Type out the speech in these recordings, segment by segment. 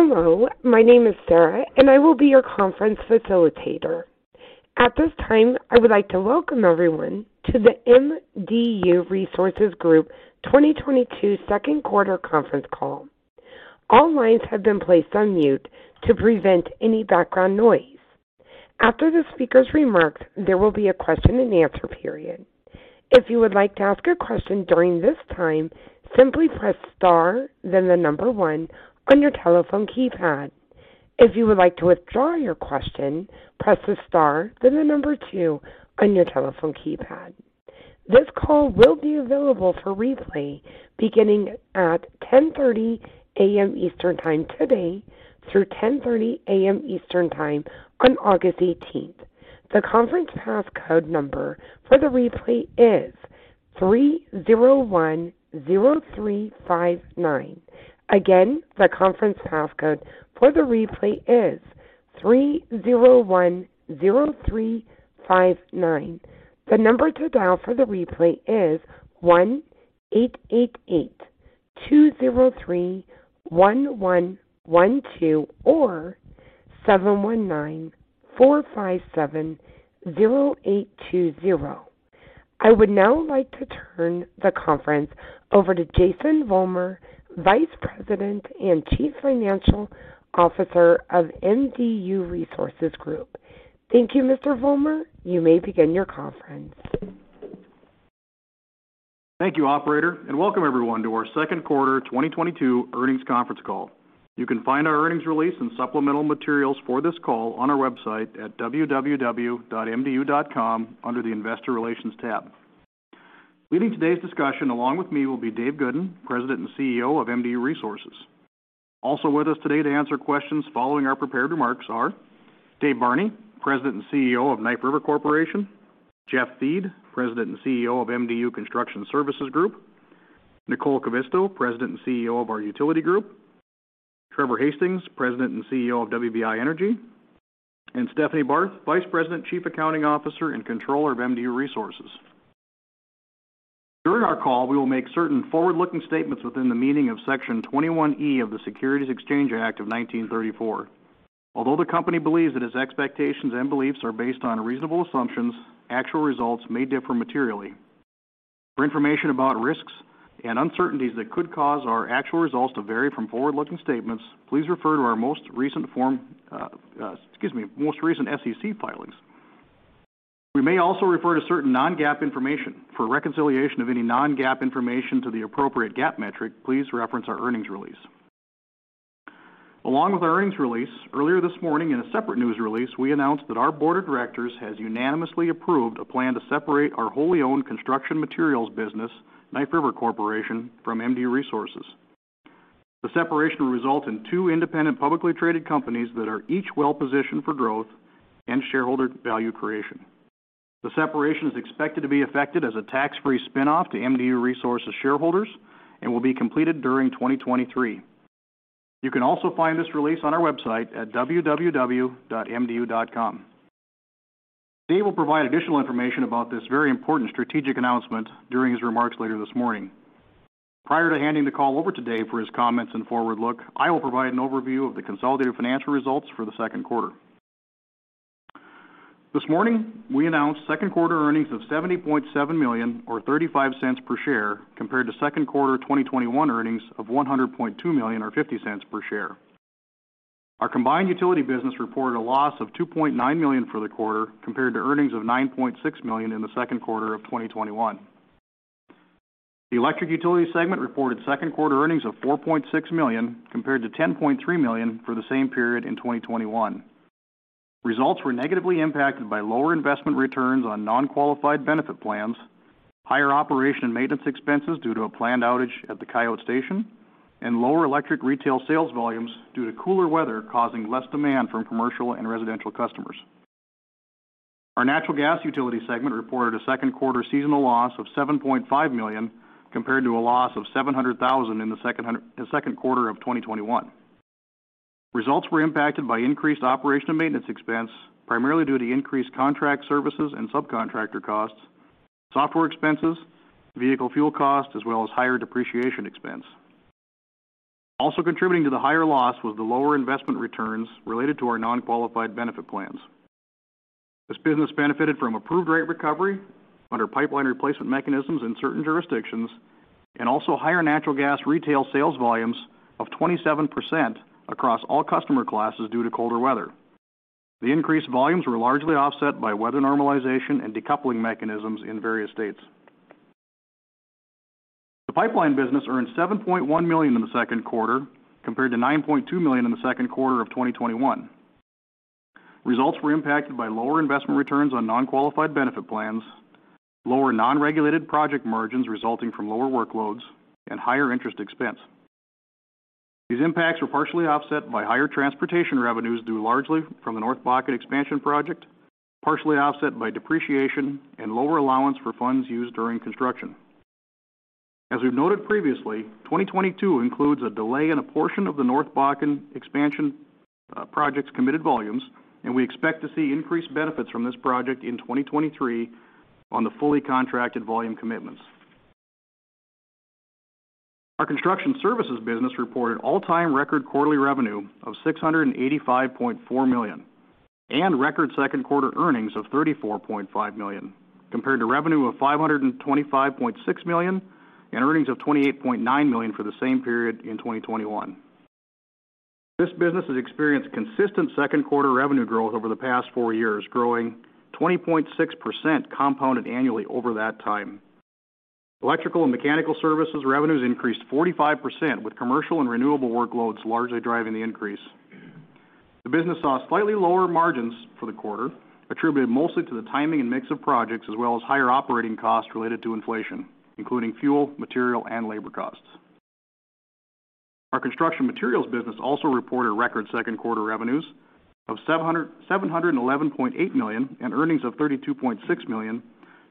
Hello. My name is Sarah, and I will be your conference facilitator. At this time, I would like to welcome everyone to the MDU Resources Group 2022 Second Quarter Conference Call. All lines have been placed on mute to prevent any background noise. After the speaker's remarks, there will be a question-and-answer period. If you would like to ask a question during this time, simply press Star, then the number one on your telephone keypad. If you would like to withdraw your question, press the star, then the number two on your telephone keypad. This call will be available for replay beginning at 10:30 A.M. Eastern time today through 10:30 A.M. Eastern time on August 18th. The conference pass code number for the replay is 3010359. Again, the conference pass code for the replay is 3010359. The number to dial for the replay is 1-888-203-1112 or 719-457-0820. I would now like to turn the conference over to Jason Vollmer, Vice President and Chief Financial Officer of MDU Resources Group. Thank you, Mr. Vollmer. You may begin your conference. Thank you, operator, and welcome everyone to our Second Quarter 2022 Earnings Conference Call. You can find our earnings release and supplemental materials for this call on our website at www.mdu.com under the Investor Relations tab. Leading today's discussion along with me will be Dave Goodin, President and CEO of MDU Resources. Also with us today to answer questions following our prepared remarks are Dave Barney, President and CEO of Knife River Corporation, Jeff Thiede, President and CEO of MDU Construction Services Group, Nicole Kivisto, President and CEO of our Utility Group, Trevor Hastings, President and CEO of WBI Energy, and Stephanie Barth, Vice President, Chief Accounting Officer, and Controller of MDU Resources. During our call, we will make certain forward-looking statements within the meaning of Section 21E of the Securities Exchange Act of 1934. Although the company believes that its expectations and beliefs are based on reasonable assumptions, actual results may differ materially. For information about risks and uncertainties that could cause our actual results to vary from forward-looking statements, please refer to our most recent SEC filings. We may also refer to certain non-GAAP information. For reconciliation of any non-GAAP information to the appropriate GAAP metric, please reference our earnings release. Along with our earnings release, earlier this morning in a separate news release, we announced that our board of directors has unanimously approved a plan to separate our wholly owned construction materials business, Knife River Corporation, from MDU Resources. The separation will result in two independent publicly traded companies that are each well-positioned for growth and shareholder value creation. The separation is expected to be effected as a tax-free spinoff to MDU Resources shareholders and will be completed during 2023. You can also find this release on our website at www.mdu.com. Dave will provide additional information about this very important strategic announcement during his remarks later this morning. Prior to handing the call over to Dave for his comments and forward look, I will provide an overview of the consolidated financial results for the second quarter. This morning, we announced second quarter earnings of $70.7 million or $0.35 per share compared to second quarter 2021 earnings of $100.2 million or $0.50 per share. Our combined utility business reported a loss of $2.9 million for the quarter compared to earnings of $9.6 million in the second quarter of 2021. The electric utility segment reported second quarter earnings of $4.6 million compared to $10.3 million for the same period in 2021. Results were negatively impacted by lower investment returns on non-qualified benefit plans, higher operation and maintenance expenses due to a planned outage at the Coyote Station, and lower electric retail sales volumes due to cooler weather causing less demand from commercial and residential customers. Our natural gas utility segment reported a second quarter seasonal loss of $7.5 million compared to a loss of $700,000 in the second quarter of 2021. Results were impacted by increased operation and maintenance expense, primarily due to increased contract services and subcontractor costs, software expenses, vehicle fuel costs, as well as higher depreciation expense. Also contributing to the higher loss was the lower investment returns related to our non-qualified benefit plans. This business benefited from approved rate recovery under pipeline replacement mechanisms in certain jurisdictions and also higher natural gas retail sales volumes of 27% across all customer classes due to colder weather. The increased volumes were largely offset by weather normalization and decoupling mechanisms in various states. The pipeline business earned $7.1 million in the second quarter compared to $9.2 million in the second quarter of 2021. Results were impacted by lower investment returns on non-qualified benefit plans, lower non-regulated project margins resulting from lower workloads, and higher interest expense. These impacts were partially offset by higher transportation revenues due largely from the North Bakken expansion project, partially offset by depreciation and lower allowance for funds used during construction. As we've noted previously, 2022 includes a delay in a portion of the North Bakken expansion project's committed volumes, and we expect to see increased benefits from this project in 2023 on the fully contracted volume commitments. Our construction services business reported all-time record quarterly revenue of $685.4 million and record second quarter earnings of $34.5 million compared to revenue of $525.6 million and earnings of $28.9 million for the same period in 2021. This business has experienced consistent second quarter revenue growth over the past four years, growing 20.6% compounded annually over that time. Electrical and mechanical services revenues increased 45%, with commercial and renewable workloads largely driving the increase. The business saw slightly lower margins for the quarter, attributed mostly to the timing and mix of projects, as well as higher operating costs related to inflation, including fuel, material, and labor costs. Our construction materials business also reported record second quarter revenues of $711.8 million and earnings of $32.6 million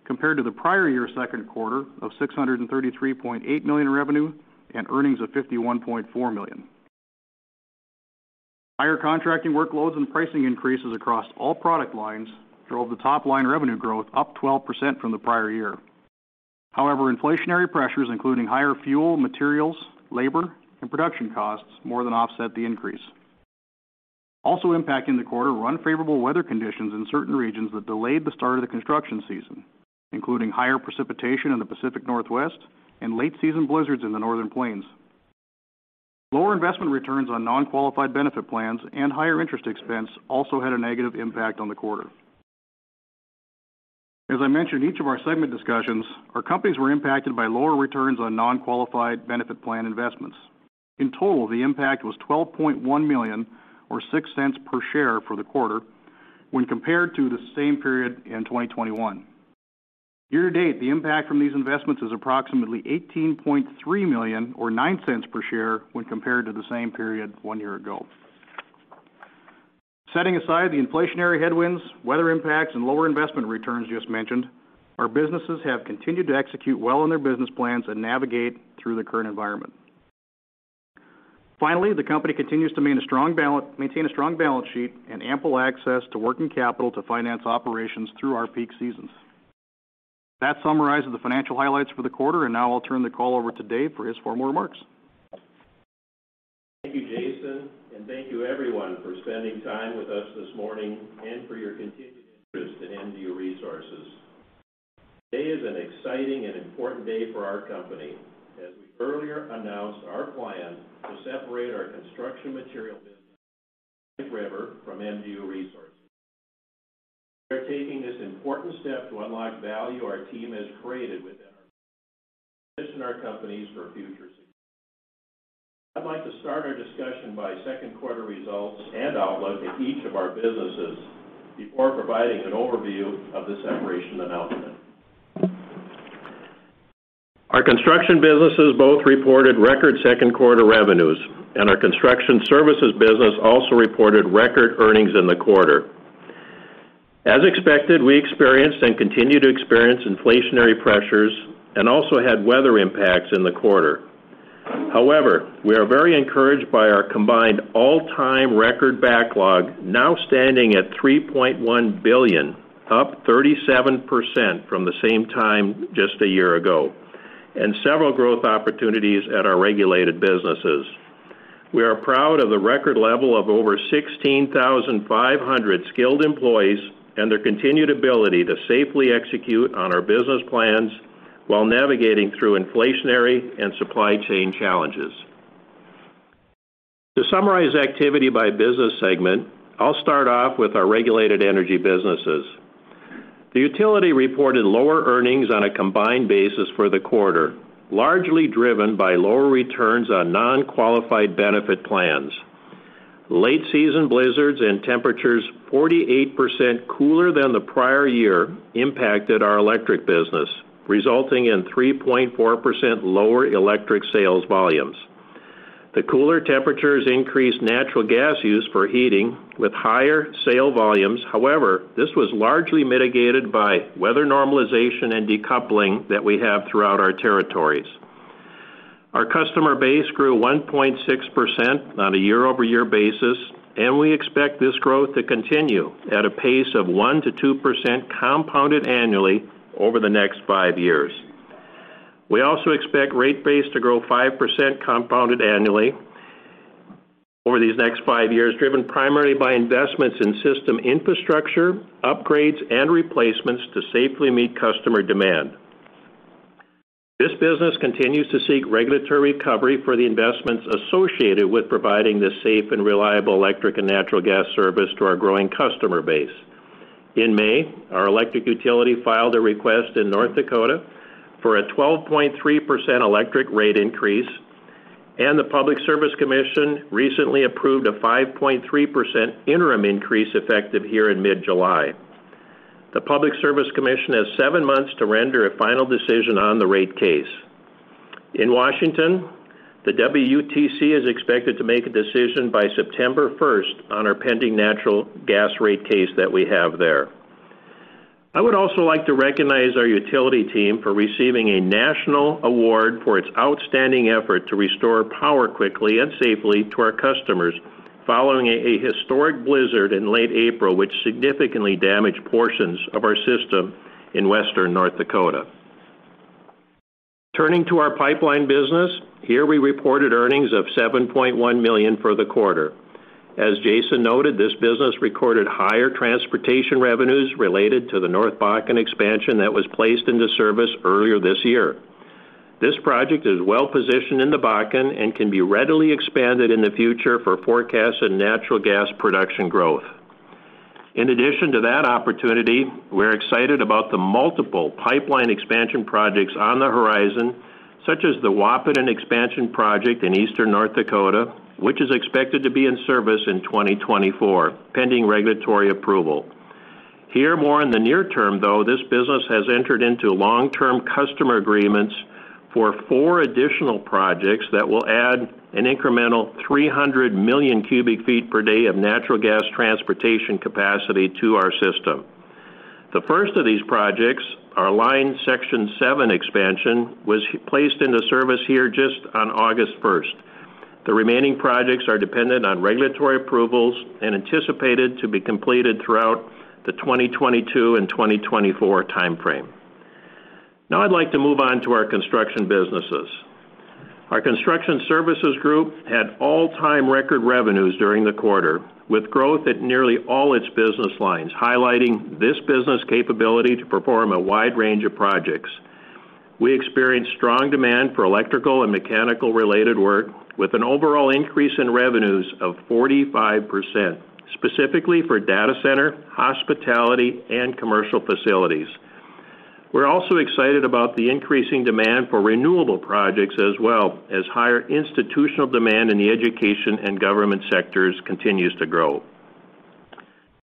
compared to the prior year second quarter of $633.8 million in revenue and earnings of $51.4 million. Higher contracting workloads and pricing increases across all product lines drove the top line revenue growth up 12% from the prior year. However, inflationary pressures, including higher fuel, materials, labor, and production costs, more than offset the increase. Also impacting the quarter were unfavorable weather conditions in certain regions that delayed the start of the construction season, including higher precipitation in the Pacific Northwest and late season blizzards in the northern plains. Lower investment returns on non-qualified benefit plans and higher interest expense also had a negative impact on the quarter. As I mentioned, each of our segment discussions, our companies were impacted by lower returns on non-qualified benefit plan investments. In total, the impact was $12.1 million or $0.06 per share for the quarter when compared to the same period in 2021. Year-to-date, the impact from these investments is approximately $18.3 million or $0.09 per share when compared to the same period one year ago. Setting aside the inflationary headwinds, weather impacts, and lower investment returns just mentioned, our businesses have continued to execute well on their business plans and navigate through the current environment. Finally, the company continues to maintain a strong balance sheet and ample access to working capital to finance operations through our peak seasons. That summarizes the financial highlights for the quarter. Now I'll turn the call over to Dave for his formal remarks. Thank you, Jason, and thank you everyone for spending time with us this morning and for your continued interest in MDU Resources. Today is an exciting and important day for our company as we earlier announced our plan to separate our construction materials business, Knife River, from MDU Resources. We are taking this important step to unlock value our team has created and to position our companies for future success. I'd like to start our discussion with second quarter results and outlook in each of our businesses before providing an overview of the separation announcement. Our construction businesses both reported record second quarter revenues, and our construction services business also reported record earnings in the quarter. As expected, we experienced and continue to experience inflationary pressures and also had weather impacts in the quarter. However, we are very encouraged by our combined all-time record backlog, now standing at $3.1 billion, up 37% from the same time just a year ago, and several growth opportunities at our regulated businesses. We are proud of the record level of over 16,500 skilled employees and their continued ability to safely execute on our business plans while navigating through inflationary and supply chain challenges. To summarize activity by business segment, I'll start off with our regulated energy businesses. The utility reported lower earnings on a combined basis for the quarter, largely driven by lower returns on non-qualified benefit plans. Late season blizzards and temperatures 48% cooler than the prior year impacted our electric business, resulting in 3.4% lower electric sales volumes. The cooler temperatures increased natural gas use for heating with higher sales volumes. However, this was largely mitigated by weather normalization and decoupling that we have throughout our territories. Our customer base grew 1.6% on a year-over-year basis, and we expect this growth to continue at a pace of 1%-2% compounded annually over the next five years. We also expect rate base to grow 5% compounded annually over these next five years, driven primarily by investments in system infrastructure, upgrades, and replacements to safely meet customer demand. This business continues to seek regulatory recovery for the investments associated with providing the safe and reliable electric and natural gas service to our growing customer base. In May, our electric utility filed a request in North Dakota for a 12.3% electric rate increase, and the Public Service Commission recently approved a 5.3% interim increase effective here in mid-July. The Public Service Commission has seven months to render a final decision on the rate case. In Washington, the WUTC is expected to make a decision by September first on our pending natural gas rate case that we have there. I would also like to recognize our utility team for receiving a national award for its outstanding effort to restore power quickly and safely to our customers. Following a historic blizzard in late April, which significantly damaged portions of our system in Western North Dakota. Turning to our pipeline business, here we reported earnings of $7.1 million for the quarter. As Jason noted, this business recorded higher transportation revenues related to the North Bakken expansion that was placed into service earlier this year. This project is well-positioned in the Bakken and can be readily expanded in the future for forecasted natural gas production growth. In addition to that opportunity, we're excited about the multiple pipeline expansion projects on the horizon, such as the Wahpeton expansion project in eastern North Dakota, which is expected to be in service in 2024, pending regulatory approval. However, in the near term, though, this business has entered into long-term customer agreements for four additional projects that will add an incremental 300 million cubic feet per day of natural gas transportation capacity to our system. The first of these projects, our Line Section 7 Expansion, was placed into service here just on August 1st. The remaining projects are dependent on regulatory approvals and anticipated to be completed throughout the 2022 and 2024 timeframe. Now I'd like to move on to our construction businesses. Our construction services group had all-time record revenues during the quarter, with growth at nearly all its business lines, highlighting this business capability to perform a wide range of projects. We experienced strong demand for electrical and mechanical-related work, with an overall increase in revenues of 45%, specifically for data center, hospitality, and commercial facilities. We're also excited about the increasing demand for renewable projects as well as higher institutional demand in the education and government sectors continues to grow.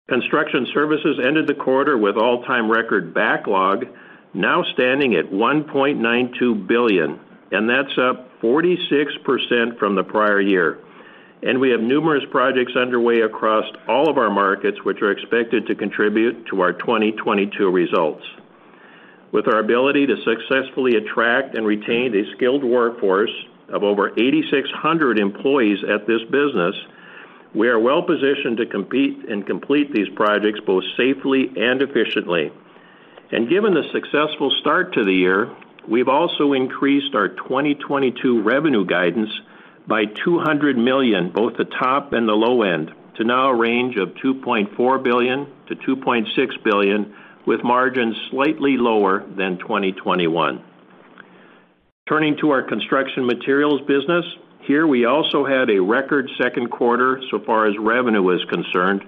Construction services ended the quarter with all-time record backlog, now standing at $1.92 billion, and that's up 46% from the prior year. We have numerous projects underway across all of our markets, which are expected to contribute to our 2022 results. With our ability to successfully attract and retain a skilled workforce of over 8,600 employees at this business, we are well positioned to compete and complete these projects both safely and efficiently. Given the successful start to the year, we've also increased our 2022 revenue guidance by $200 million, both the top and the low end, to now a range of $2.4 billion-$2.6 billion, with margins slightly lower than 2021. Turning to our construction materials business, here we also had a record second quarter so far as revenue is concerned,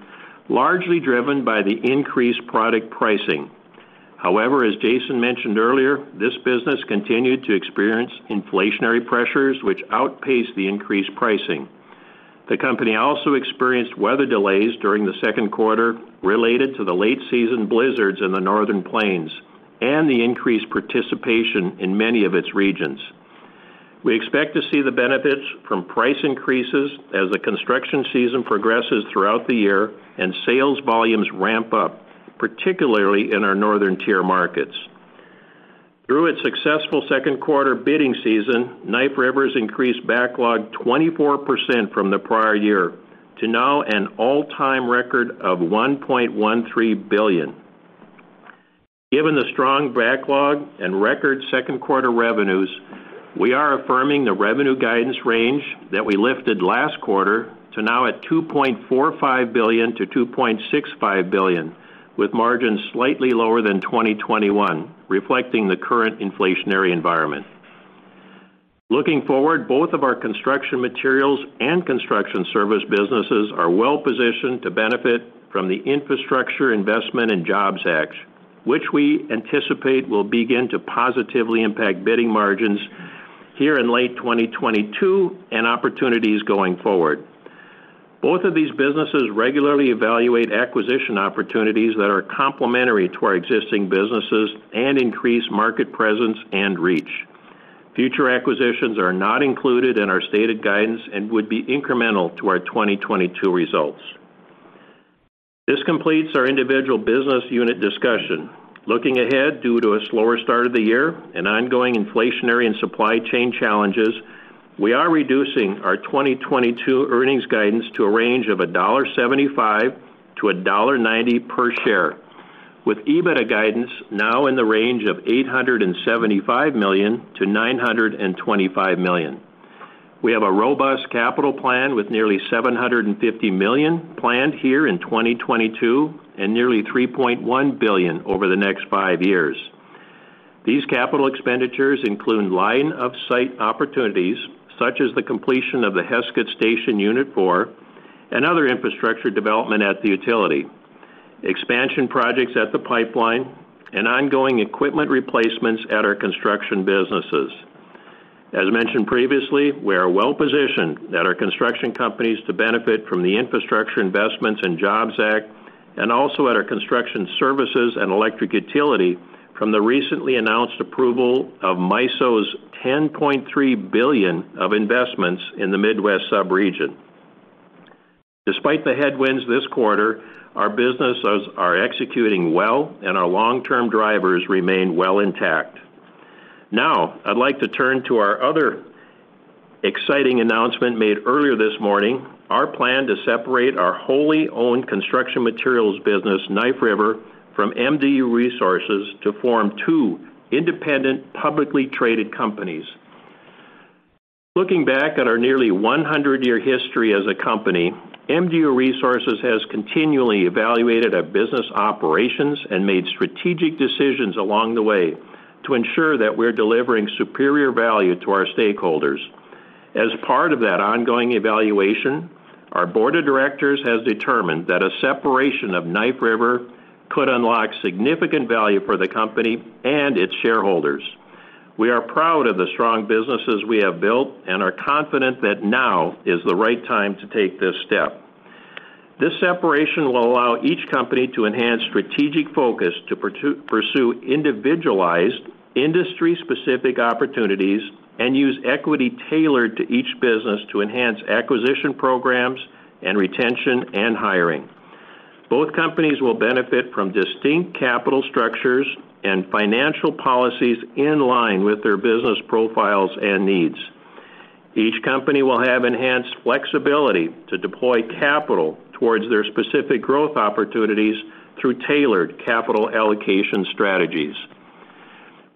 largely driven by the increased product pricing. However, as Jason mentioned earlier, this business continued to experience inflationary pressures which outpaced the increased pricing. The company also experienced weather delays during the second quarter related to the late season blizzards in the northern plains and the increased participation in many of its regions. We expect to see the benefits from price increases as the construction season progresses throughout the year and sales volumes ramp up, particularly in our northern tier markets. Through its successful second quarter bidding season, Knife River's increased backlog 24% from the prior year to now an all-time record of $1.13 billion. Given the strong backlog and record second-quarter revenues, we are affirming the revenue guidance range that we lifted last quarter to now at $2.45 billion-$2.65 billion, with margins slightly lower than 2021, reflecting the current inflationary environment. Looking forward, both of our construction materials and construction service businesses are well positioned to benefit from the Infrastructure Investment and Jobs Act, which we anticipate will begin to positively impact bidding margins here in late 2022 and opportunities going forward. Both of these businesses regularly evaluate acquisition opportunities that are complementary to our existing businesses and increase market presence and reach. Future acquisitions are not included in our stated guidance and would be incremental to our 2022 results. This completes our individual business unit discussion. Looking ahead, due to a slower start of the year and ongoing inflationary and supply chain challenges, we are reducing our 2022 earnings guidance to a range of $1.75-$1.90 per share, with EBITDA guidance now in the range of $875 million-$925 million. We have a robust capital plan with nearly $750 million planned here in 2022 and nearly $3.1 billion over the next five years. These capital expenditures include line of sight opportunities such as the completion of the Heskett Station Unit 4 and other infrastructure development at the utility, expansion projects at the pipeline, and ongoing equipment replacements at our construction businesses. As mentioned previously, we are well positioned at our construction companies to benefit from the Infrastructure Investment and Jobs Act and also at our construction services and electric utility from the recently announced approval of MISO's $10.3 billion of investments in the Midwest sub-region. Despite the headwinds this quarter, our businesses are executing well, and our long-term drivers remain well intact. Now I'd like to turn to our other exciting announcement made earlier this morning, our plan to separate our wholly owned construction materials business, Knife River, from MDU Resources, to form two independent, publicly traded companies. Looking back at our nearly 100-year history as a company, MDU Resources has continually evaluated our business operations and made strategic decisions along the way to ensure that we're delivering superior value to our stakeholders. As part of that ongoing evaluation, our board of directors has determined that a separation of Knife River could unlock significant value for the company and its shareholders. We are proud of the strong businesses we have built and are confident that now is the right time to take this step. This separation will allow each company to enhance strategic focus to pursue individualized industry-specific opportunities and use equity tailored to each business to enhance acquisition programs and retention and hiring. Both companies will benefit from distinct capital structures and financial policies in line with their business profiles and needs. Each company will have enhanced flexibility to deploy capital towards their specific growth opportunities through tailored capital allocation strategies.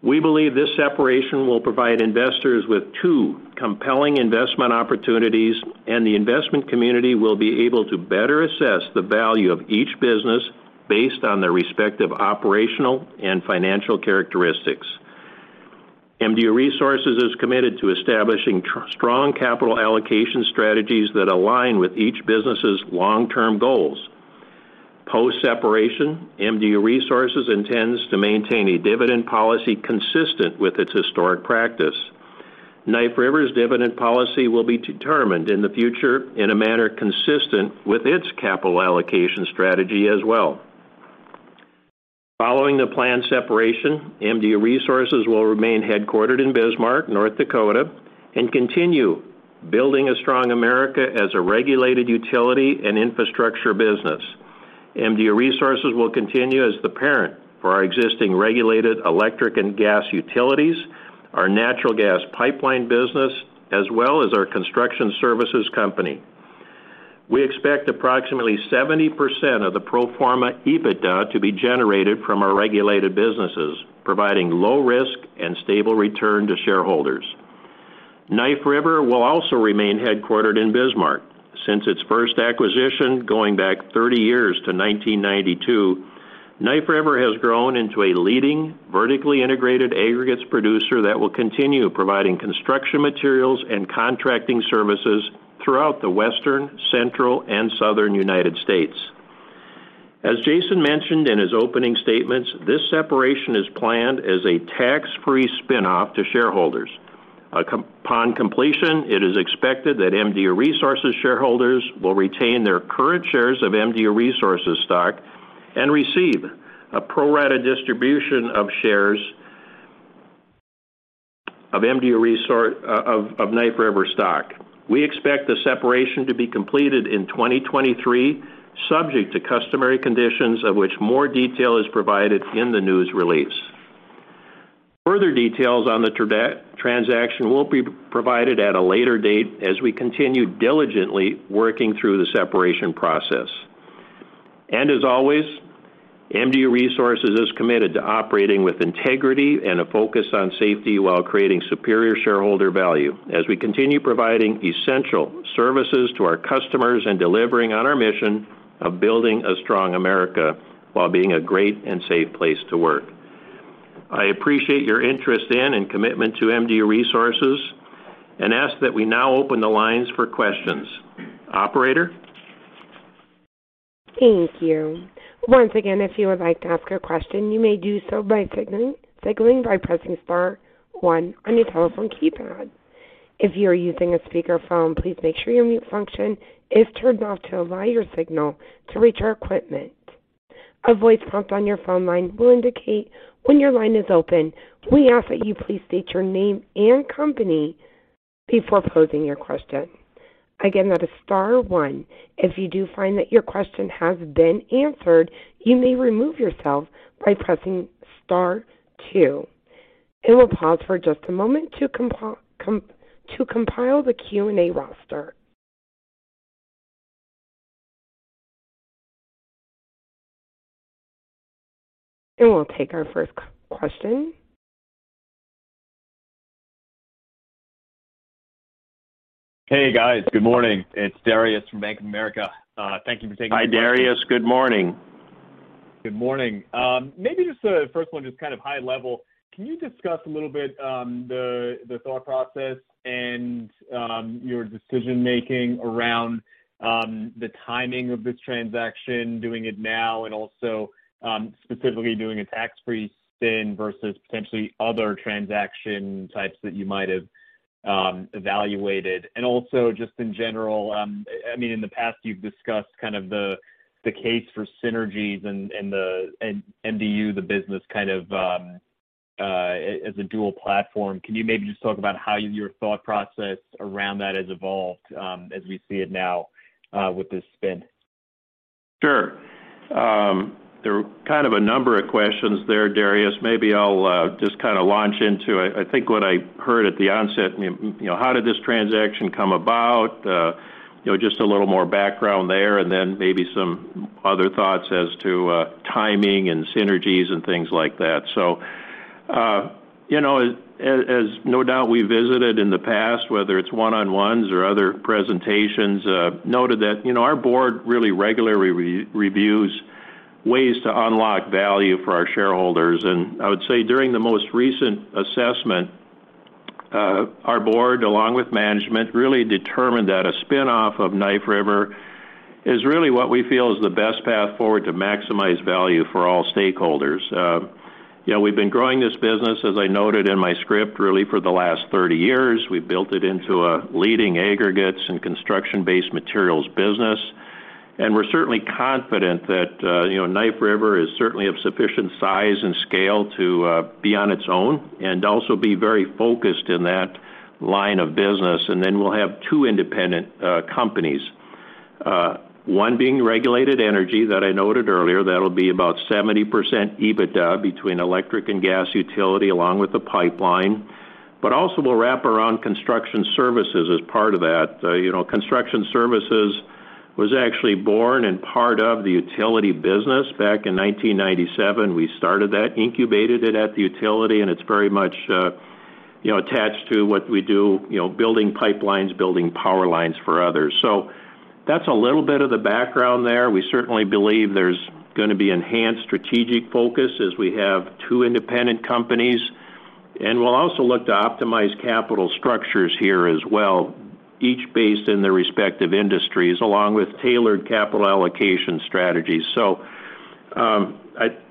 We believe this separation will provide investors with two compelling investment opportunities, and the investment community will be able to better assess the value of each business based on their respective operational and financial characteristics. MDU Resources is committed to establishing strong capital allocation strategies that align with each business's long-term goals. Post-separation, MDU Resources intends to maintain a dividend policy consistent with its historic practice. Knife River's dividend policy will be determined in the future in a manner consistent with its capital allocation strategy as well. Following the planned separation, MDU Resources will remain headquartered in Bismarck, North Dakota, and continue building a strong America as a regulated utility and infrastructure business. MDU Resources will continue as the parent for our existing regulated electric and gas utilities, our natural gas pipeline business, as well as our construction services company. We expect approximately 70% of the pro forma EBITDA to be generated from our regulated businesses, providing low risk and stable return to shareholders. Knife River will also remain headquartered in Bismarck. Since its first acquisition going back 30 years to 1992, Knife River has grown into a leading vertically integrated aggregates producer that will continue providing construction materials and contracting services throughout the Western, Central, and Southern United States. As Jason mentioned in his opening statements, this separation is planned as a tax-free spinoff to shareholders. Upon completion, it is expected that MDU Resources shareholders will retain their current shares of MDU Resources stock and receive a pro-rata distribution of shares of Knife River stock. We expect the separation to be completed in 2023, subject to customary conditions, of which more detail is provided in the news release. Further details on the transaction will be provided at a later date as we continue diligently working through the separation process. As always, MDU Resources is committed to operating with integrity and a focus on safety while creating superior shareholder value as we continue providing essential services to our customers and delivering on our mission of building a strong America while being a great and safe place to work. I appreciate your interest in and commitment to MDU Resources and ask that we now open the lines for questions. Operator? Thank you. Once again, if you would like to ask a question, you may do so by signaling by pressing star one on your telephone keypad. If you are using a speakerphone, please make sure your mute function is turned off to allow your signal to reach our equipment. A voice prompt on your phone line will indicate when your line is open. We ask that you please state your name and company before posing your question. Again, that is star one. If you do find that your question has been answered, you may remove yourself by pressing star two. It will pause for just a moment to compile the Q&A roster. We'll take our first question. Hey, guys. Good morning. It's Darius from Bank of America. Thank you for taking- Hi, Darius. Good morning. Good morning. Maybe just, first one, just kind of high level. Can you discuss a little bit, the thought process and, your decision-making around, the timing of this transaction, doing it now and also, specifically doing a tax-free spin versus potentially other transaction types that you might have, evaluated? Also just in general, I mean, in the past, you've discussed kind of the case for synergies and the MDU business kind of, as a dual platform. Can you maybe just talk about how your thought process around that has evolved, as we see it now, with this spin? Sure. There were kind of a number of questions there, Darius. Maybe I'll just kind of launch into it. I think what I heard at the onset, you know, how did this transaction come about? You know, just a little more background there, and then maybe some other thoughts as to timing and synergies and things like that. You know, as no doubt we visited in the past, whether it's one-on-ones or other presentations, noted that, you know, our board really regularly reviews ways to unlock value for our shareholders. I would say during the most recent assessment, our board, along with management, really determined that a spin-off of Knife River is really what we feel is the best path forward to maximize value for all stakeholders. You know, we've been growing this business, as I noted in my script, really for the last 30 years. We've built it into a leading aggregates and construction-based materials business. We're certainly confident that, you know, Knife River is certainly of sufficient size and scale to be on its own and also be very focused in that line of business. We'll have two independent companies. One being regulated energy that I noted earlier. That'll be about 70% EBITDA between electric and gas utility, along with the pipeline. Also we'll wrap around construction services as part of that. You know, construction services was actually born in part of the utility business back in 1997. We started that, incubated it at the utility, and it's very much, you know, attached to what we do, you know, building pipelines, building power lines for others. So that's a little bit of the background there. We certainly believe there's gonna be enhanced strategic focus as we have two independent companies. We'll also look to optimize capital structures here as well, each based in their respective industries, along with tailored capital allocation strategies. So,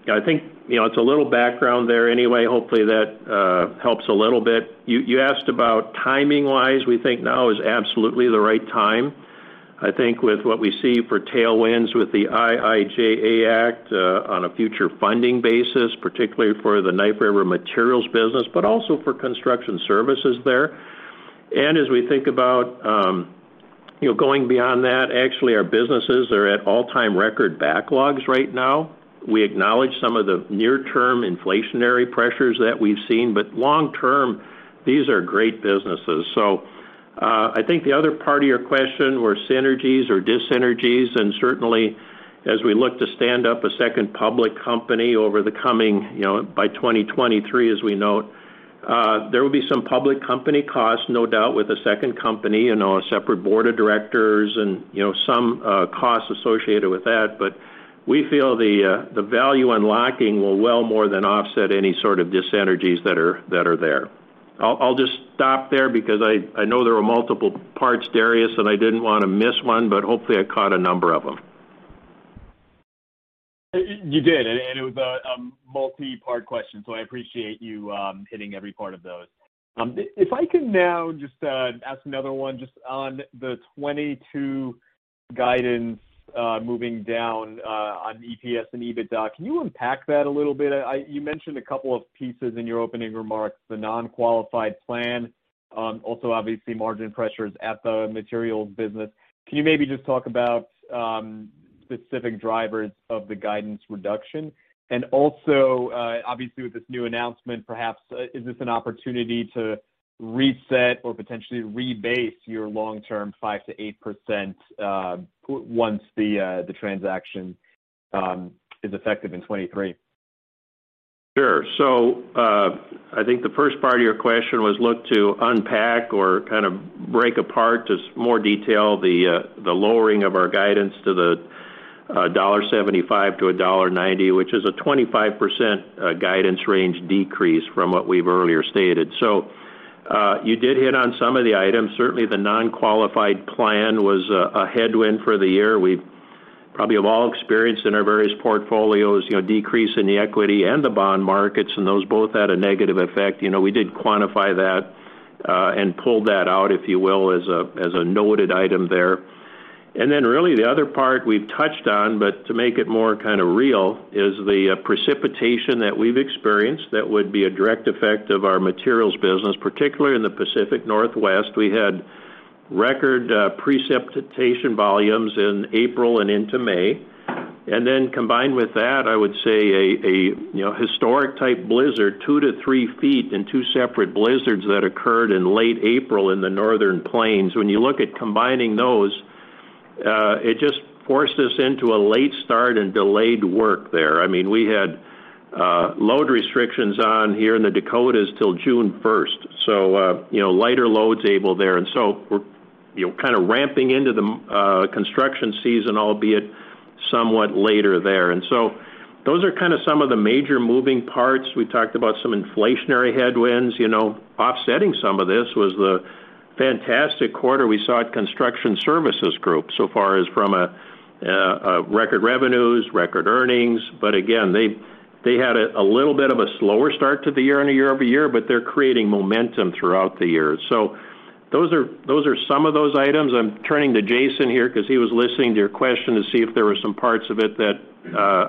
I think, you know, it's a little background there. Anyway, hopefully, that helps a little bit. You asked about timing-wise. We think now is absolutely the right time. I think with what we see for tailwinds with the IIJA Act, on a future funding basis, particularly for the Knife River materials business, but also for construction services there. As we think about, you know, going beyond that, actually, our businesses are at all-time record backlogs right now. We acknowledge some of the near-term inflationary pressures that we've seen, but long term, these are great businesses. I think the other part of your question were synergies or dis-synergies. Certainly, as we look to stand up a second public company over the coming, you know, by 2023, as we note, there will be some public company costs, no doubt, with a second company, you know, a separate board of directors and, you know, some costs associated with that. We feel the value unlocking will well more than offset any sort of dis-synergies that are there. I'll just stop there because I know there are multiple parts, Darius, and I didn't wanna miss one, but hopefully, I caught a number of them. You did, and it was a multi-part question, so I appreciate you hitting every part of those. If I can now just ask another one just on the 2022 guidance, moving down on EPS and EBITDA. Can you unpack that a little bit? You mentioned a couple of pieces in your opening remarks, the non-qualified plan, also obviously margin pressures at the materials business. Can you maybe just talk about specific drivers of the guidance reduction? And also obviously with this new announcement, perhaps, is this an opportunity to reset or potentially rebase your long-term 5%-8%, once the transaction is effective in 2023? Sure. I think the first part of your question was look to unpack or kind of break apart just more detail the lowering of our guidance to the $1.75-$1.90, which is a 25% guidance range decrease from what we've earlier stated. You did hit on some of the items. Certainly, the non-qualified plan was a headwind for the year. We probably have all experienced in our various portfolios, you know, decrease in the equity and the bond markets, and those both had a negative effect. You know, we did quantify that and pulled that out, if you will, as a noted item there. Really the other part we've touched on, but to make it more kind of real, is the precipitation that we've experienced that would be a direct effect of our materials business, particularly in the Pacific Northwest. We had record precipitation volumes in April and into May. Combined with that, I would say, you know, a historic type blizzard, two to three feet and two separate blizzards that occurred in late April in the Northern Plains. When you look at combining those, it just forced us into a late start and delayed work there. I mean, we had load restrictions on here in the Dakotas till June first, so, you know, lighter loads allowed there. We're, you know, kind of ramping into the construction season, albeit somewhat later there. Those are kind of some of the major moving parts. We talked about some inflationary headwinds. Offsetting some of this was the fantastic quarter we saw at Construction Services Group so far as from a record revenues, record earnings, but again, they had a little bit of a slower start to the year on a year-over-year, but they're creating momentum throughout the year. Those are some of those items. I'm turning to Jason here 'cause he was listening to your question to see if there were some parts of it that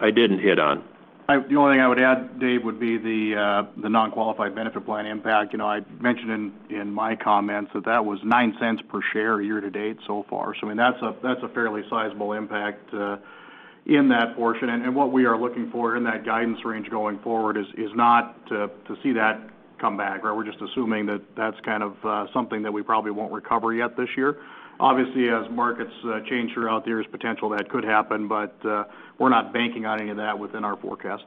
I didn't hit on. The only thing I would add, Dave, would be the non-qualified benefit plan impact. You know, I mentioned in my comments that that was $0.09 per share year to date so far. I mean, that's a fairly sizable impact in that portion. What we are looking for in that guidance range going forward is not to see that come back, right? We're just assuming that that's kind of something that we probably won't recover yet this year. Obviously, as markets change throughout the year, there's potential that could happen, but we're not banking on any of that within our forecast.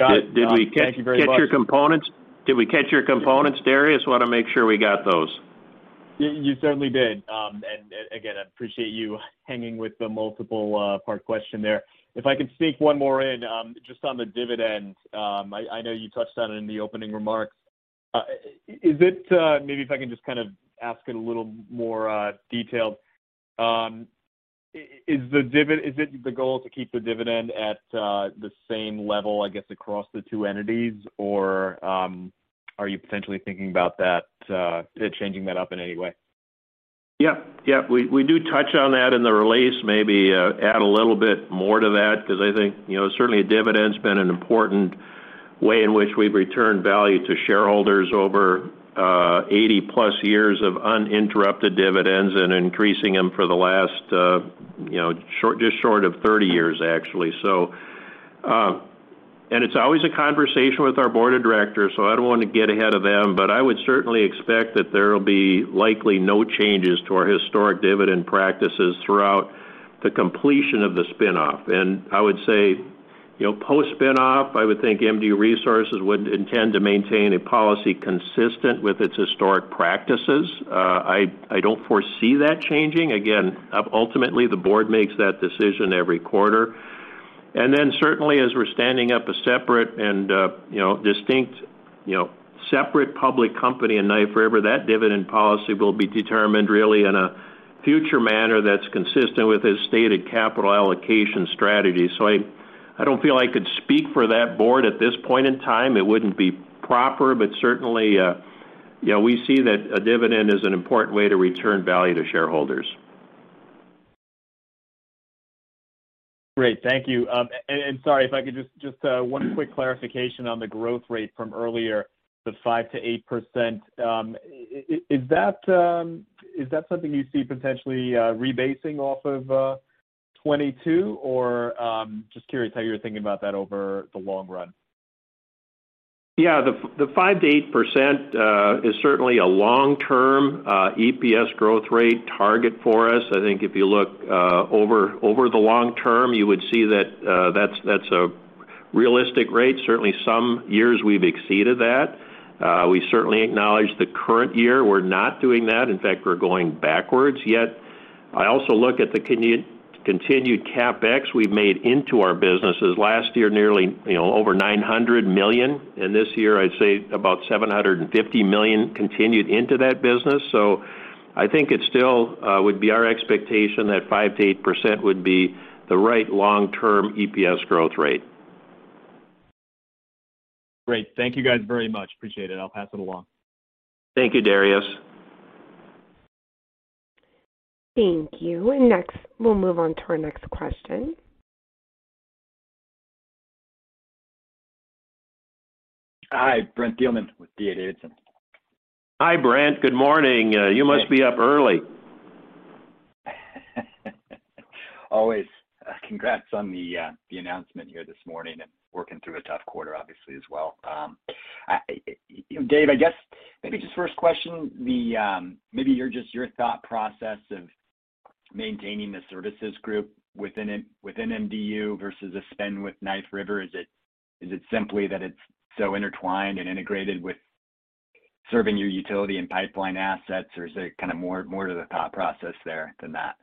Got it. Did we catch your components? Did we catch your components, Darius? Wanna make sure we got those. You certainly did. Again, I appreciate you hanging with the multiple part question there. If I could sneak one more in, just on the dividend, I know you touched on it in the opening remarks. Is it maybe if I can just kind of ask it a little more detailed? Is it the goal to keep the dividend at the same level, I guess, across the two entities? Are you potentially thinking about changing that up in any way? We do touch on that in the release. Maybe add a little bit more to that 'cause I think, you know, certainly dividend's been an important way in which we've returned value to shareholders over 80+ years of uninterrupted dividends and increasing them for the last just short of 30 years, actually. It's always a conversation with our board of directors, so I don't wanna get ahead of them, but I would certainly expect that there will be likely no changes to our historic dividend practices throughout the completion of the spin-off. I would say, you know, post-spin-off, I would think MDU Resources would intend to maintain a policy consistent with its historic practices. I don't foresee that changing. Again, ultimately, the board makes that decision every quarter. Certainly, as we're standing up a separate and you know, distinct, you know, separate public company in Knife River, that dividend policy will be determined really in a future manner that's consistent with its stated capital allocation strategy. I don't feel I could speak for that board at this point in time. It wouldn't be proper, but certainly you know, we see that a dividend is an important way to return value to shareholders. Great. Thank you. Sorry, if I could just one quick clarification on the growth rate from earlier, the 5%-8%. Is that something you see potentially rebasing off of 2022? Just curious how you're thinking about that over the long run? Yeah. The 5%-8% is certainly a long-term EPS growth rate target for us. I think if you look over the long term, you would see that that's a realistic rate. Certainly, some years we've exceeded that. We certainly acknowledge the current year, we're not doing that. In fact, we're going backwards. Yet, I also look at the continued CapEx we've made into our businesses. Last year, nearly, you know, over $900 million, and this year, I'd say about $750 million continued into that business. So I think it still would be our expectation that 5%-8% would be the right long-term EPS growth rate. Great. Thank you, guys, very much. Appreciate it. I'll pass it along. Thank you, Darius. Thank you. Next, we'll move on to our next question. Hi, Brent Thielman with D.A. Davidson. Hi, Brent. Good morning. You must be up early. Always. Congrats on the announcement here this morning and working through a tough quarter, obviously, as well. Dave, I guess maybe first question, the your thought process of maintaining the services group within MDU versus a spin with Knife River. Is it simply that it's so intertwined and integrated with serving your utility and pipeline assets, or is there kind of more to the thought process there than that?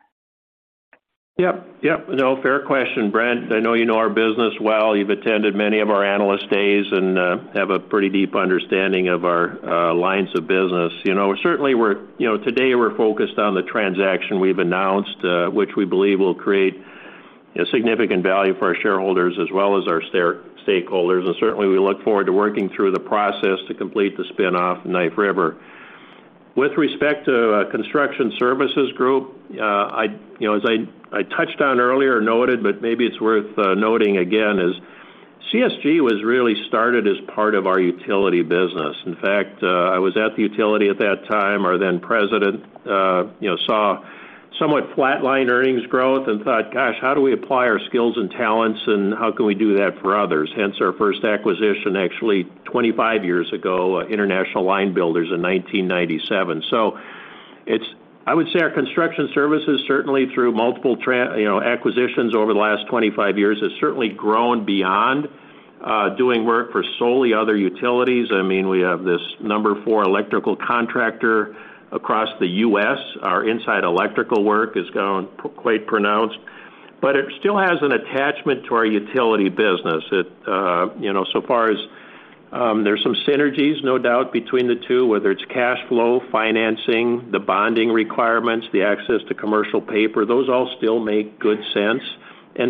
Yep. No, fair question, Brent. I know you know our business well. You've attended many of our analyst days and have a pretty deep understanding of our lines of business. You know, certainly we're you know, today, we're focused on the transaction we've announced, which we believe will create a significant value for our shareholders as well as our stakeholder. Certainly, we look forward to working through the process to complete the spin-off of Knife River. With respect to our Construction Services Group, I'd you know, as I touched on earlier or noted, but maybe it's worth noting again, is CSG was really started as part of our utility business. In fact, I was at the utility at that time. Our then president, you know, saw somewhat flatline earnings growth and thought, "Gosh, how do we apply our skills and talents, and how can we do that for others?" Hence, our first acquisition actually 25 years ago, International Line Builders in 1997. I would say our construction services, certainly through multiple, you know, acquisitions over the last 25 years, has certainly grown beyond doing work for solely other utilities. I mean, we have this No. 4 electrical contractor across the U.S.. Our inside electrical work has gone quite pronounced. It still has an attachment to our utility business. It, you know, so far as there's some synergies, no doubt, between the two, whether it's cash flow, financing, the bonding requirements, the access to commercial paper. Those all still make good sense.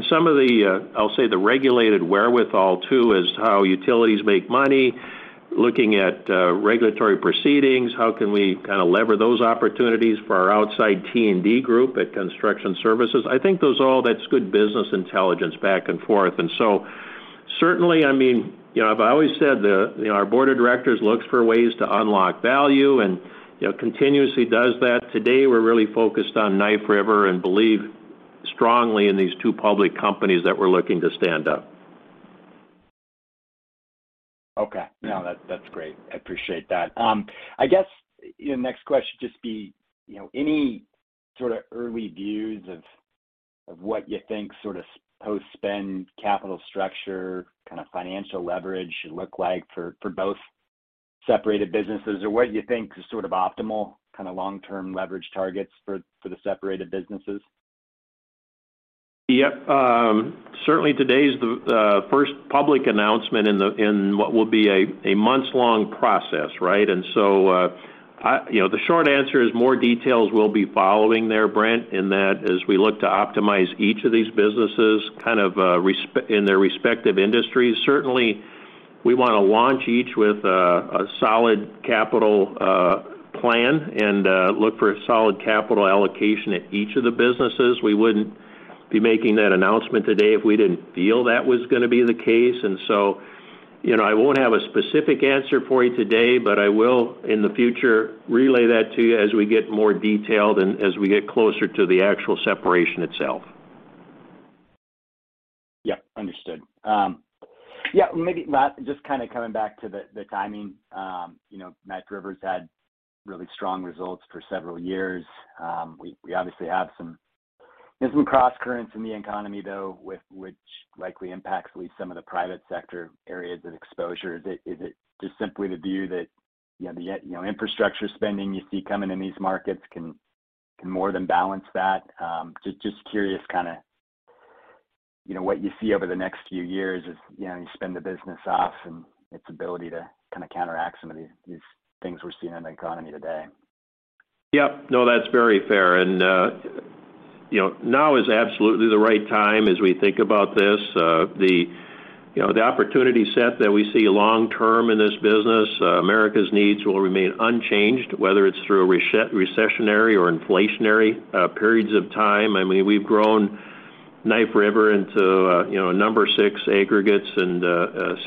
Some of the, I'll say, the regulated wherewithal too is how utilities make money. Looking at, regulatory proceedings, how can we kind of leverage those opportunities for our outside T&D group at construction services? I think that's good business intelligence back and forth. Certainly, I mean, you know, I've always said you know, our board of directors looks for ways to unlock value and, you know, continuously does that. Today, we're really focused on Knife River and believe strongly in these two public companies that we're looking to stand up. Okay. No, that's great. I appreciate that. I guess the next question would just be, you know, any sort of early views of what you think sort of post-spin capital structure, kind of financial leverage should look like for both separated businesses? Or what you think is sort of optimal kind of long-term leverage targets for the separated businesses? Yep. Certainly, today is the first public announcement in what will be a months-long process, right? You know, the short answer is more details will be following there, Brent, in that as we look to optimize each of these businesses kind of in their respective industries. Certainly, we wanna launch each with a solid capital plan and look for a solid capital allocation at each of the businesses. We wouldn't be making that announcement today if we didn't feel that was gonna be the case. You know, I won't have a specific answer for you today, but I will, in the future, relay that to you as we get more detailed and as we get closer to the actual separation itself. Yep, understood. Yeah, just kinda coming back to the timing. You know, Knife River's had really strong results for several years. There's some crosscurrents in the economy, though, with which likely impacts at least some of the private sector areas of exposure. Is it just simply the view that, you know, you know, infrastructure spending you see coming in these markets can more than balance that? Just curious kinda, you know, what you see over the next few years as, you know, you spin the business off and its ability to kinda counteract some of these things we're seeing in the economy today. Yep. No, that's very fair. You know, now is absolutely the right time as we think about this. You know, the opportunity set that we see long term in this business, America's needs will remain unchanged, whether it's through a recessionary or inflationary periods of time. I mean, we've grown Knife River into a number six aggregates and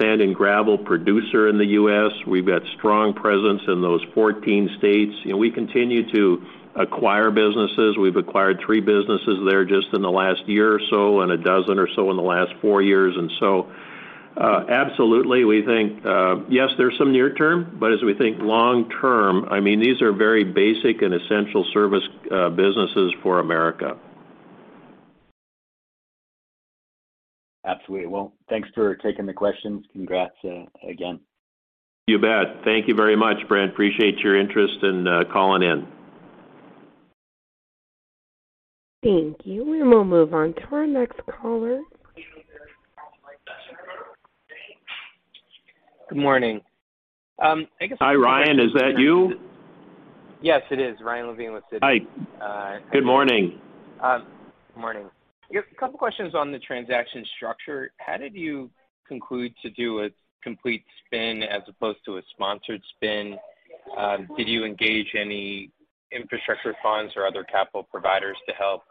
sand and gravel producer in the U.S.. We've got strong presence in those 14 states, and we continue to acquire businesses. We've acquired three businesses there just in the last year or so and a dozen or so in the last four years. Absolutely, we think yes, there's some near term, but as we think long term, I mean, these are very basic and essential service businesses for America. Absolutely. Well, thanks for taking the questions. Congrats, again. You bet. Thank you very much, Brent. Appreciate your interest and calling in. Thank you. We'll move on to our next caller. Good morning. Hi, Ryan. Is that you? Yes, it is. Ryan Levine with Citi. Hi. Good morning. Good morning. A couple questions on the transaction structure. How did you conclude to do a complete spin as opposed to a sponsored spin? Did you engage any infrastructure funds or other capital providers to help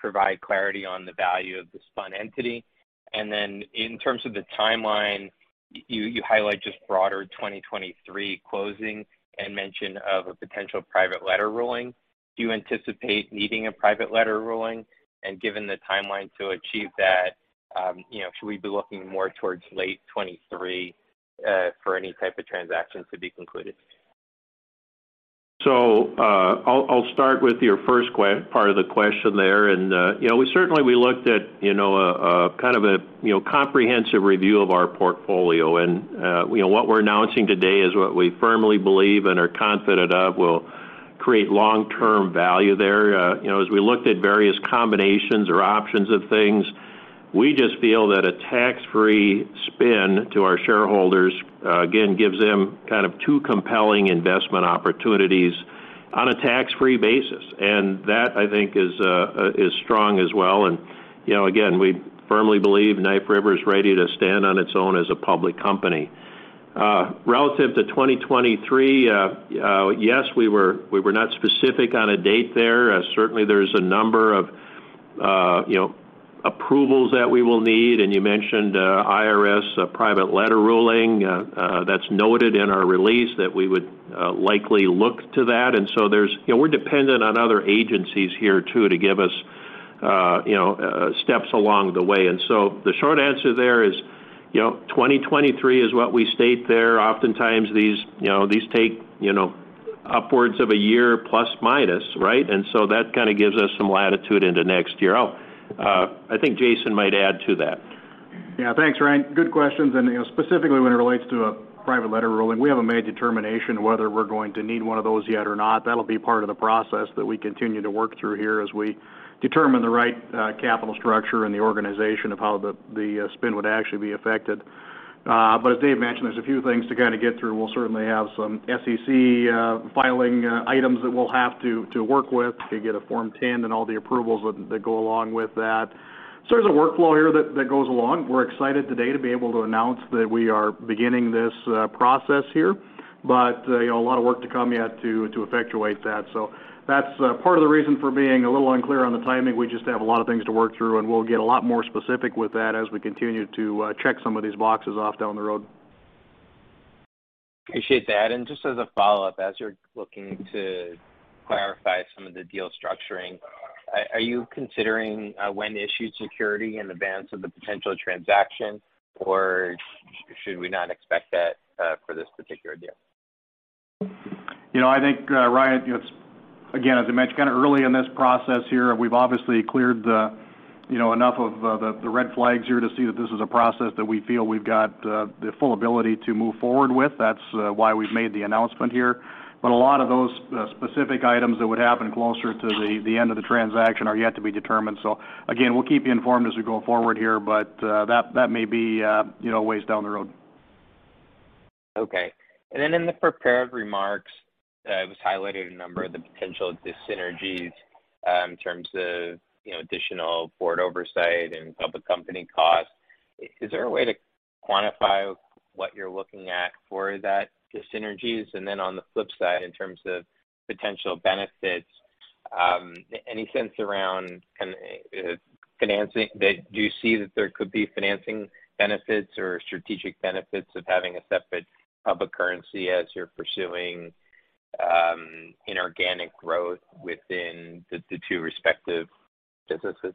provide clarity on the value of the spun entity? In terms of the timeline, you highlight just broader 2023 closing and mention of a potential private letter ruling. Do you anticipate needing a private letter ruling? Given the timeline to achieve that, you know, should we be looking more towards late 2023 for any type of transaction to be concluded? I'll start with your first part of the question there. You know, we certainly looked at a kind of comprehensive review of our portfolio. You know, what we're announcing today is what we firmly believe and are confident of will create long-term value there. You know, as we looked at various combinations or options of things, we just feel that a tax-free spin to our shareholders again gives them kind of two compelling investment opportunities on a tax-free basis. That, I think, is strong as well. You know, again, we firmly believe Knife River is ready to stand on its own as a public company. Relative to 2023, yes, we were not specific on a date there. Certainly, there's a number of, you know, approvals that we will need. You mentioned IRS, a private letter ruling. That's noted in our release that we would likely look to that. There's you know, we're dependent on other agencies here too to give us, you know, steps along the way. The short answer there is, you know, 2023 is what we state there. Oftentimes, these you know take, you know, upwards of a year plus, minus, right? That kinda gives us some latitude into next year. I think Jason might add to that. Yeah. Thanks, Ryan. Good questions. You know, specifically when it relates to a private letter ruling, we haven't made a determination whether we're going to need one of those yet or not. That'll be part of the process that we continue to work through here as we determine the right capital structure and the organization of how the spin would actually be affected. As Dave mentioned, there's a few things to kinda get through. We'll certainly have some SEC filing items that we'll have to work with to get a Form 10 and all the approvals that go along with that. There's a workflow here that goes along. We're excited today to be able to announce that we are beginning this process here. You know, a lot of work to come yet to effectuate that. That's part of the reason for being a little unclear on the timing. We just have a lot of things to work through, and we'll get a lot more specific with that as we continue to check some of these boxes off down the road. Appreciate that. Just as a follow-up, as you're looking to clarify some of the deal structuring, are you considering when-issued security in advance of the potential transaction, or should we not expect that for this particular deal? You know, I think, Ryan, it's again, as I mentioned, kind of early in this process here. We've obviously cleared, you know, enough of the red flags here to see that this is a process that we feel we've got the full ability to move forward with. That's why we've made the announcement here. A lot of those specific items that would happen closer to the end of the transaction are yet to be determined. Again, we'll keep you informed as we go forward here, but that may be, you know, ways down the road. Okay. Then in the prepared remarks, it was highlighted a number of the potential dis-synergies, in terms of, you know, additional board oversight and public company costs. Is there a way to quantify what you're looking at for that dis-synergies? Then on the flip side, in terms of potential benefits, any sense around kind of, financing, did you see that there could be financing benefits or strategic benefits of having a separate public currency as you're pursuing, inorganic growth within the two respective businesses?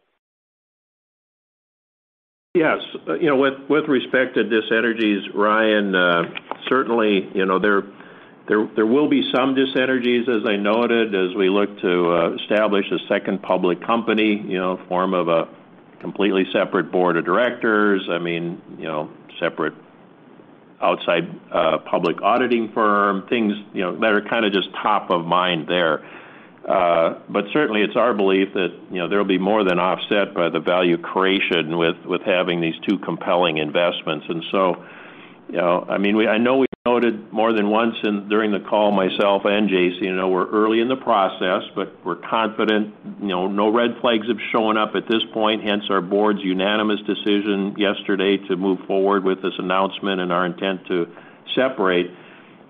Yes. You know, with respect to dis-synergies, Ryan, certainly, you know, there will be some dis-synergies, as I noted, as we look to establish a second public company, you know, form of a completely separate board of directors. I mean, you know, separate outside public auditing firm, things, you know, that are kind of just top of mind there. But certainly, it's our belief that, you know, there will be more than offset by the value creation with having these two compelling investments. You know, I mean, I know we noted more than once during the call, myself and JC, you know, we're early in the process, but we're confident. You know, no red flags have shown up at this point, hence our board's unanimous decision yesterday to move forward with this announcement and our intent to separate.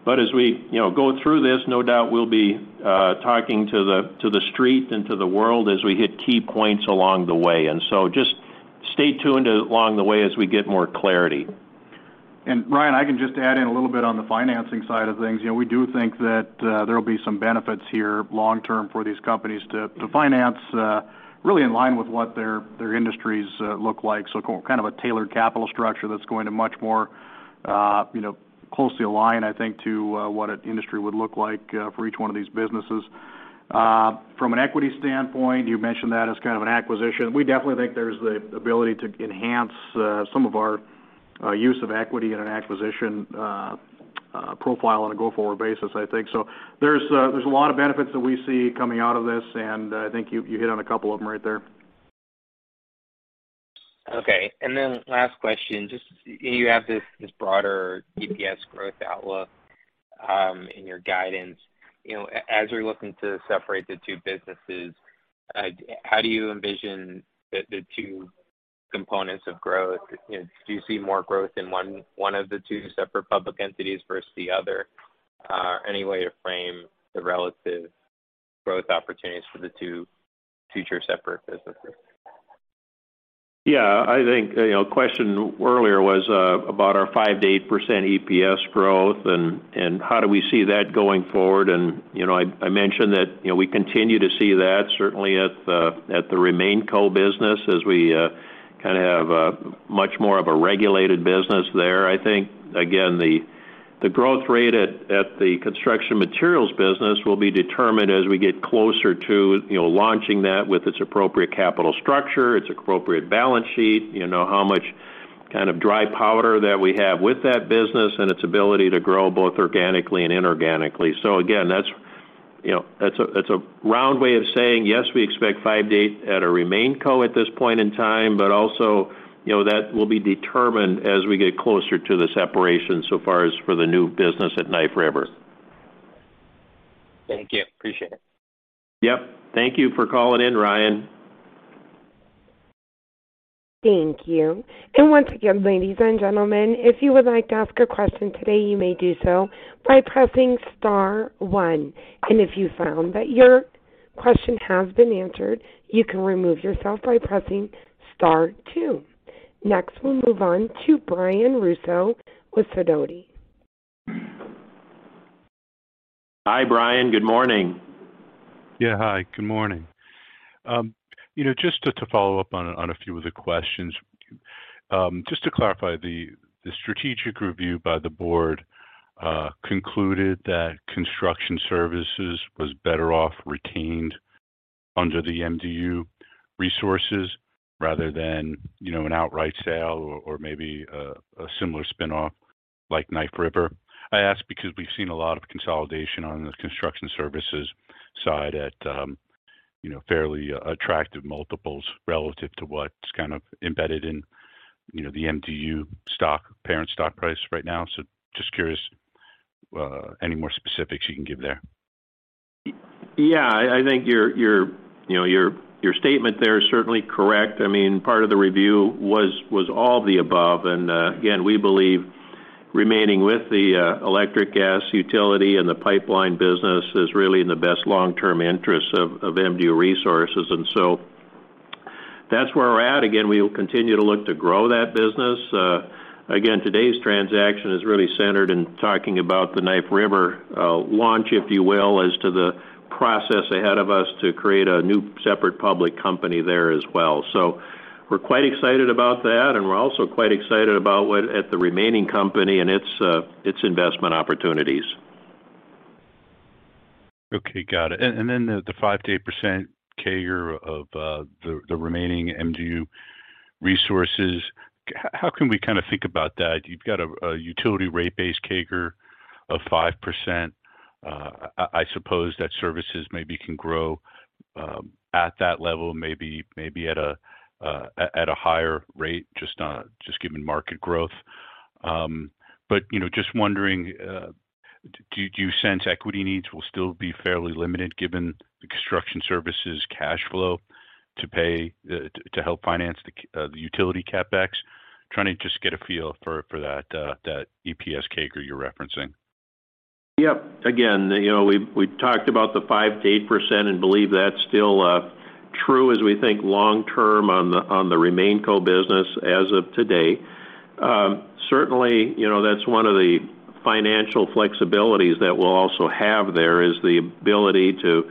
As we, you know, go through this, no doubt we'll be talking to the street and to the world as we hit key points along the way. Just stay tuned along the way as we get more clarity. Ryan, I can just add in a little bit on the financing side of things. You know, we do think that there will be some benefits here long-term for these companies to finance really in line with what their industries look like. Kind of a tailored capital structure that's going to much more, you know, closely align, I think, to what an industry would look like for each one of these businesses. From an equity standpoint, you mentioned that as kind of an acquisition. We definitely think there's the ability to enhance some of our use of equity in an acquisition profile on a go-forward basis, I think. There's a lot of benefits that we see coming out of this, and I think you hit on a couple of them right there. Okay. Last question, just you have this broader EPS growth outlook in your guidance. You know, as you're looking to separate the two businesses, how do you envision the two components of growth? You know, do you see more growth in one of the two separate public entities versus the other? Any way to frame the relative growth opportunities for the two future separate businesses? Yeah, I think, you know, question earlier was about our 5%-8% EPS growth and how do we see that going forward. You know, I mentioned that, you know, we continue to see that certainly at the RemainCo business as we kind of have much more of a regulated business there, I think. Again, the growth rate at the construction materials business will be determined as we get closer to, you know, launching that with its appropriate capital structure, its appropriate balance sheet, you know, how much kind of dry powder that we have with that business and its ability to grow both organically and inorganically. Again, that's, you know, that's a round way of saying, yes, we expect 5%-8% at RemainCo at this point in time, but also, you know, that will be determined as we get closer to the separation so far as for the new business at Knife River. Thank you. Appreciate it. Yep. Thank you for calling in, Ryan. Thank you. Once again, ladies and gentlemen, if you would like to ask a question today, you may do so by pressing star one. If you found that your question has been answered, you can remove yourself by pressing star two. Next, we'll move on to Brian Russo with Sidoti. Hi, Brian. Good morning. Yeah. Hi, good morning. You know, just to follow up on a few of the questions. Just to clarify, the strategic review by the board concluded that construction services was better off retained under the MDU Resources rather than, you know, an outright sale or maybe a similar spin-off like Knife River. I ask because we've seen a lot of consolidation on the construction services side at, you know, fairly attractive multiples relative to what's kind of embedded in, you know, the MDU stock, parent stock price right now. So just curious, any more specifics you can give there? Yeah, I think your you know, your statement there is certainly correct. I mean, part of the review was all of the above. Again, we believe remaining with the electric gas utility and the pipeline business is really in the best long-term interest of MDU Resources. That's where we're at. Again, we will continue to look to grow that business. Again, today's transaction is really centered in talking about the Knife River launch, if you will, as to the process ahead of us to create a new separate public company there as well. We're quite excited about that, and we're also quite excited about what's at the remaining company and its investment opportunities. Okay. Got it. Then the 5%-8% CAGR of the remaining MDU Resources. How can we kind of think about that? You've got a utility rate base CAGR of 5%. I suppose that services maybe can grow at that level, maybe at a higher rate just given market growth. But you know, just wondering, do you sense equity needs will still be fairly limited given the construction services cash flow to help finance the utility CapEx? Trying to just get a feel for that EPS CAGR you're referencing. Yep. Again, you know, we've talked about the 5%-8% and believe that's still true as we think long-term on the RemainCo business as of today. Certainly, you know, that's one of the financial flexibilities that we'll also have there is the ability to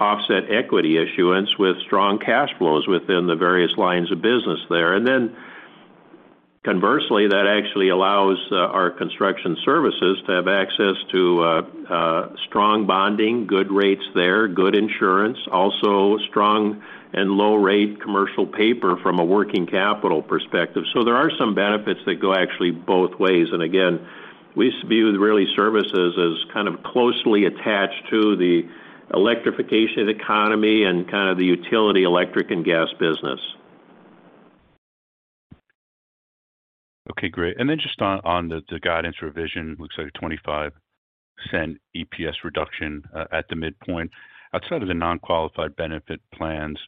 offset equity issuance with strong cash flows within the various lines of business there. Then conversely, that actually allows our construction services to have access to a strong bonding, good rates there, good insurance, also strong and low rate commercial paper from a working capital perspective. There are some benefits that go actually both ways. Again, we used to be with really services as kind of closely attached to the electrification economy and kind of the utility electric and gas business. Okay, great. Then just on the guidance revision, looks like a $0.25 EPS reduction at the midpoint. Outside of the non-qualified benefit plans,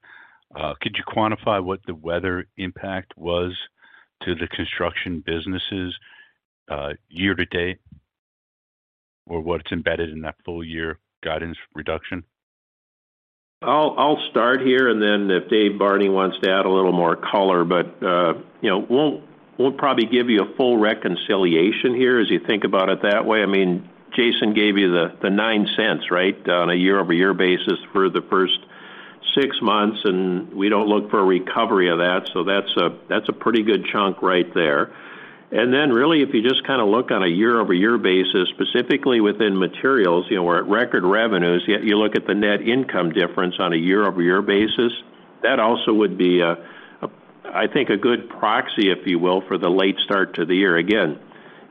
could you quantify what the weather impact was to the construction businesses year to date, or what's embedded in that full year guidance reduction? I'll start here and then if Dave Barney wants to add a little more color, but you know, we'll probably give you a full reconciliation here as you think about it that way. I mean, Jason gave you the $0.09, right, on a year-over-year basis for the first six months, and we don't look for a recovery of that. That's a pretty good chunk right there. Then really, if you just kind of look on a year-over-year basis, specifically within materials, you know, we're at record revenues, yet you look at the net income difference on a year-over-year basis. That also would be a, I think a good proxy, if you will, for the late start to the year. Again,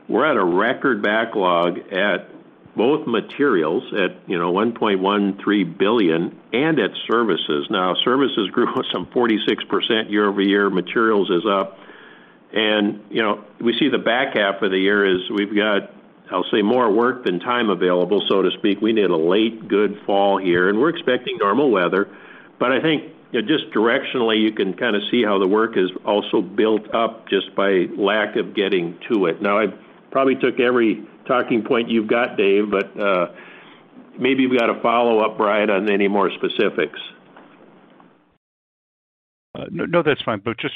we're at a record backlog at both materials at, you know, $1.13 billion and at services. Now services grew some 46% year-over-year, materials is up. You know, we see the back half of the year is we've got, I'll say, more work than time available, so to speak. We need a late good fall here, and we're expecting normal weather. I think just directionally, you can kind of see how the work is also built up just by lack of getting to it. Now, I probably took every talking point you've got, Dave, but maybe we got a follow-up, Brian, on any more specifics. No, no, that's fine. Just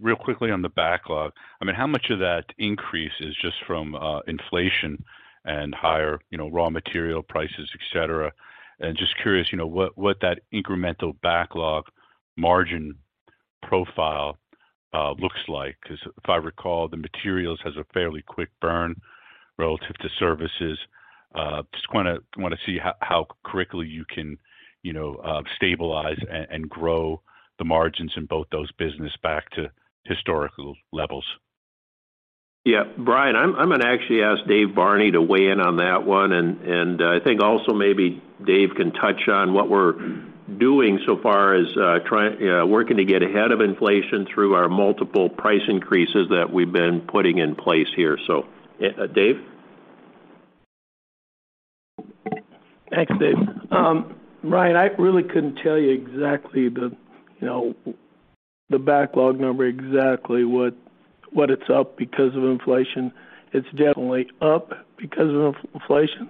real quickly on the backlog. I mean, how much of that increase is just from, inflation and higher, you know, raw material prices, et cetera? Just curious, you know, what that incremental backlog margin profile looks like? Because if I recall, the materials has a fairly quick burn relative to services. Just wanna see how quickly you can, you know, stabilize and grow the margins in both those business back to historical levels. Yeah, Brian, I'm gonna actually ask Dave Barney to weigh in on that one. I think also maybe Dave can touch on what we're doing so far as working to get ahead of inflation through our multiple price increases that we've been putting in place here. Dave? Thanks, Dave. Ryan, I really couldn't tell you exactly the backlog number exactly what it's up because of inflation. It's definitely up because of inflation.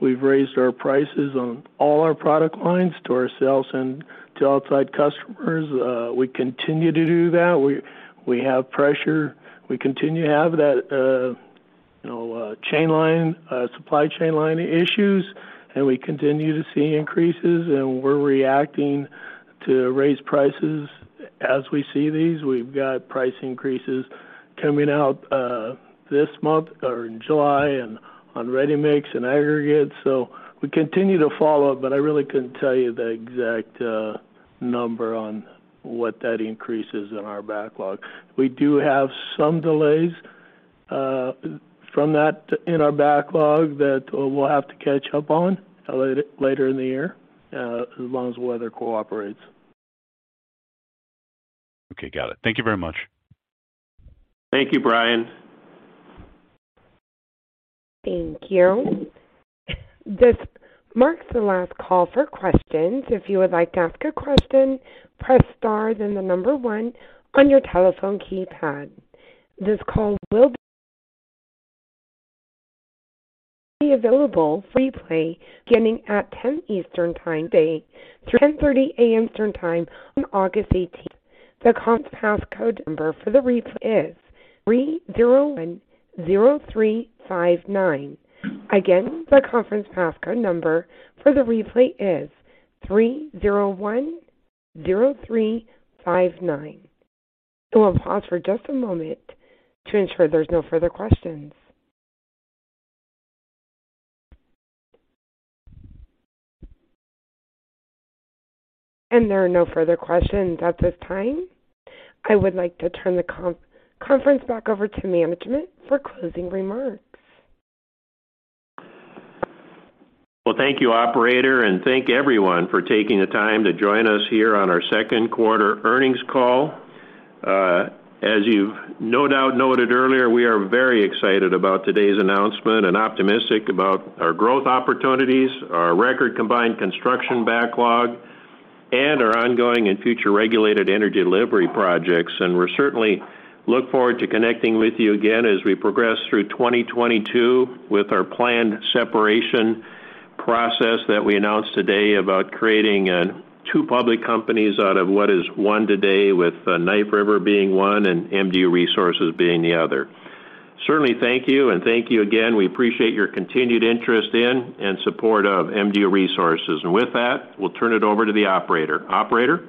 We've raised our prices on all our product lines to ourselves and to outside customers. We continue to do that. We have pressure. We continue to have that supply chain issues, and we continue to see increases, and we're reacting to raise prices as we see these. We've got price increases coming out this month or in July and on ready-mix and aggregates. We continue to follow up, but I really couldn't tell you the exact number on what that increase is in our backlog. We do have some delays from that in our backlog that we'll have to catch up on later in the year as long as weather cooperates. Okay, got it. Thank you very much. Thank you, Brian. Thank you. This marks the last call for questions. If you would like to ask a question, press star, then the number one on your telephone keypad. This call will be available for replay beginning at 10 Eastern Time today through 10:30 A.M. Eastern time on August 18th. The conference passcode number for the replay is 3010359. Again, the conference passcode number for the replay is 3010359. I'll pause for just a moment to ensure there's no further questions. There are no further questions at this time. I would like to turn the conference back over to management for closing remarks. Well, thank you, operator, and thank everyone for taking the time to join us here on our second quarter earnings call. As you've no doubt noted earlier, we are very excited about today's announcement and optimistic about our growth opportunities, our record combined construction backlog, and our ongoing and future regulated energy delivery projects. We certainly look forward to connecting with you again as we progress through 2022 with our planned separation process that we announced today about creating two public companies out of what is one today, with Knife River being one and MDU Resources being the other. Certainly, thank you and thank you again. We appreciate your continued interest in and support of MDU Resources. With that, we'll turn it over to the operator. Operator.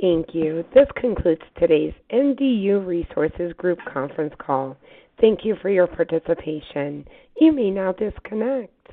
Thank you. This concludes today's MDU Resources Group conference call. Thank you for your participation. You may now disconnect.